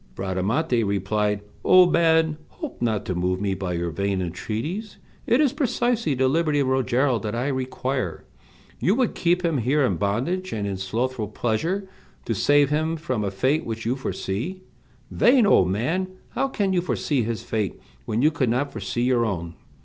Bradamante replied: "Old man, hope not to move me by your vain entreaties. It is precisely the liberty of Rogero that I require. You would keep him here in bondage and in slothful pleasure, to save him from a fate which you foresee. Vain old man! how can you foresee his fate when you could not foresee your own?